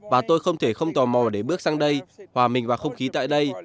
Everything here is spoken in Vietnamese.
và tôi không thể không tò mò để bước sang đây hòa bình và không khí tại đây